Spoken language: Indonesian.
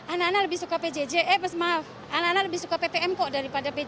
anak anak lebih suka pjj eh maaf anak anak lebih suka ppm kok daripada pjj